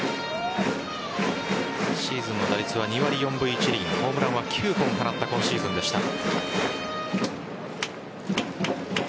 シーズンの打率は２割４分１厘ホームランは９本放った今シーズンでした。